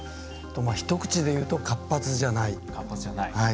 一口で言うと活発じゃない。